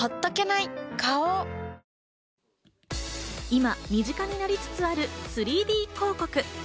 今、身近になりつつある３Ｄ広告。